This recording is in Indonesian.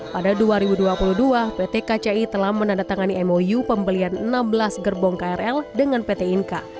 pada dua ribu dua puluh dua pt kci telah menandatangani mou pembelian enam belas gerbong krl dengan pt inka